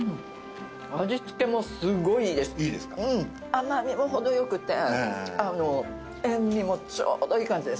甘みも程良くて塩味もちょうどいい感じです。